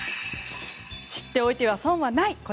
知っておいては損はない！